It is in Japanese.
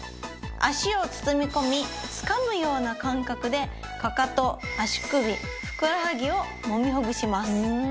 足を包み込みつかむような感覚でかかと足首ふくらはぎをもみほぐします。